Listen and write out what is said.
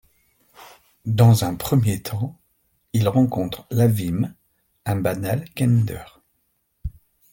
Dans un premier temps, il rencontre Lavim, un banal Kender.